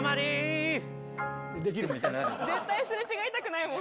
絶対すれ違いたくないもん。